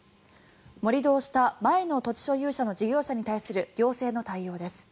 盛り土をした前の土地所有者の事業者に対する行政の対応です。